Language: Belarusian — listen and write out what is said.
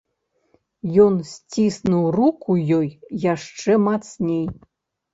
Ён сціснуў руку ёй яшчэ мацней.